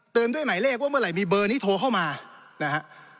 ด้วยหมายเลขว่าเมื่อไหร่มีเบอร์นี้โทรเข้ามานะฮะ